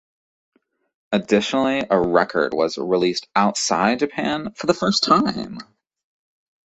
Additionally, a record was released outside Japan for the first time.